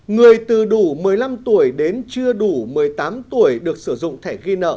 người từ đủ một mươi năm tuổi đến chưa đủ một mươi tám tuổi được sử dụng thẻ ghi nợ